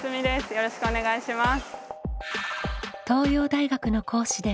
よろしくお願いします。